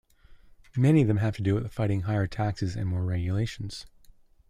Many of them have to do with fighting higher taxes and more regulations.